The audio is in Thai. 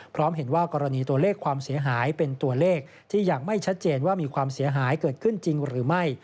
พร้อมเห็นว่ากรณีตัวเลขความเสียหายเป็นตัวเลขที่ยังไม่ชัดเจนว่ามีความเสียหายเกิดขึ้นจริงหรือไม่